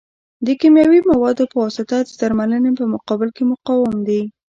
د کیمیاوي موادو په واسطه د درملنې په مقابل کې مقاوم دي.